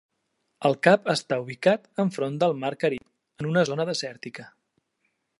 El cap està ubicat enfront del Mar Carib, en una zona desèrtica.